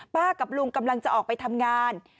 กับลุงกำลังจะออกไปทำงาน